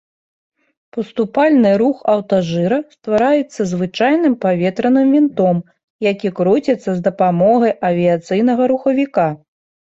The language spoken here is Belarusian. Паступальны рух аўтажыра ствараецца звычайным паветраным вінтом, які круціцца з дапамогай авіяцыйнага рухавіка.